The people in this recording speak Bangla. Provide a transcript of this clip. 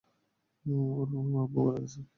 ওর ফুফু, আব্বু মারা গেসেন।